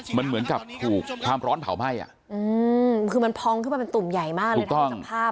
มันเหมือนกับถูกความร้อนเผาไหม้อ่ะอืมคือมันพองขึ้นมาเป็นตุ่มใหญ่มากเลยนะจากภาพ